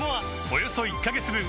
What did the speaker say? およそ１カ月分